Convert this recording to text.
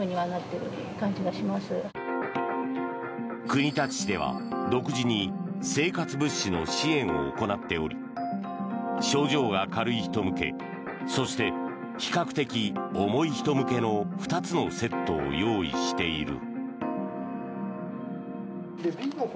国立市では独自に生活物資の支援を行っており症状が軽い人向けそして、比較的重い人向けの２つのセットを用意している。